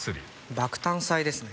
爆誕祭ですね。